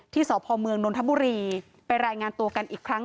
สพเมืองนนทบุรีไปรายงานตัวกันอีกครั้ง